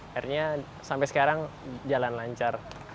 akhirnya sampai sekarang jalan lancar